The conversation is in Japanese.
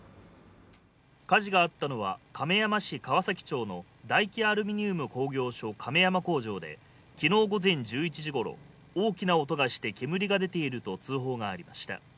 火事があったのは亀山市川崎町の大紀アルミニウム工業所亀山工場で昨日午前１１時ごろ、大きな音がして煙が出ていると通報がありました。